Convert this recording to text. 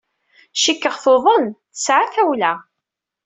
Cikkeɣ tuḍen. Tesɛa tawla.